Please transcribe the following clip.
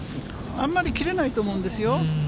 あんまり切れないと思うんですよ。